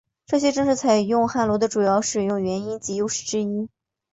这些正是采用汉罗的主要使用原因及优势之一。